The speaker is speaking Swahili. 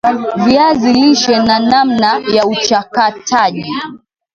viazi lishe na namna ya uchakataji